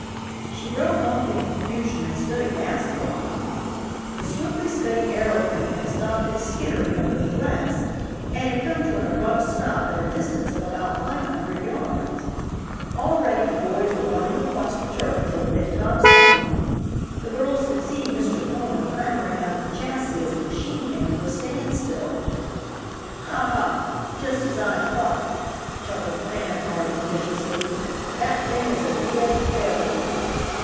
She broke off in confusion and stood aghast for a moment. The swiftly scudding aeroplane had stopped its skittering over the grass and had come to an abrupt stop at a distance of about five hundred yards. Already the boys were running across the turf toward it at top speed. The girls could see Mr. Homer clambering out of the chassis as the machine came to a standstill. "Ha! Ha! just as I thought," chuckled Fan Harding, viciously, "that thing is a dead failure."